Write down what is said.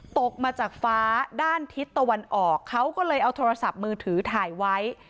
ตกมาจากฟ้าด้านทิศตะวันออกเขาก็เลยเอาโทรศัพท์มือถือถ่ายไว้